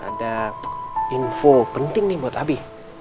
ada info penting nih buat abi